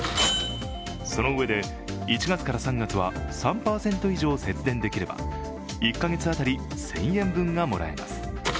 そのうえで、１月から３月は３％以上節電できれば１か月当たり１０００円分がもらえます